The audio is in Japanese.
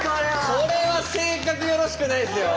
これは性格よろしくないですよ。